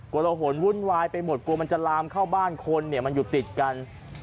ละหนวุ่นวายไปหมดกลัวมันจะลามเข้าบ้านคนเนี่ยมันอยู่ติดกัน